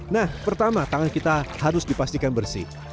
nah pertama tangan kita harus dipastikan bersih